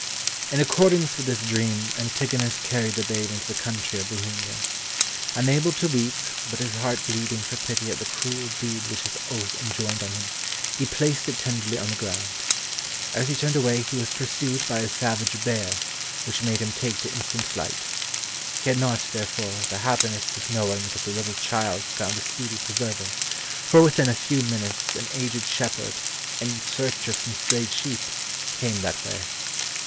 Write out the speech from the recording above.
In accordance with this dream, Antigonus carried the babe into the country of Bohemia. Unable to weep, but his heart bleeding for pity at the cruel deed which his oath enjoined on him, he placed it tenderly on the ground. As he turned away he was pursued by a savage bear, which made him take to instant flight. He had not, therefore, the happiness of knowing that the little child found a speedy preserver, for within a few minutes an aged shepherd, in search of some strayed sheep, came that way.